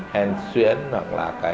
hèn xuyễn hoặc là